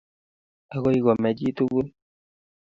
Agoi kome chitugul